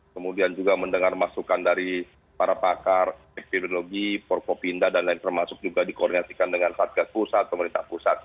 kemudian juga mendengar masukan dari para pakar epidemiologi porkopinda dan lain termasuk juga dikoordinasikan dengan satgas pusat pemerintah pusat